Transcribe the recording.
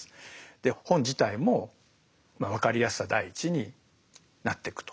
で本自体も分かりやすさ第一になってくと。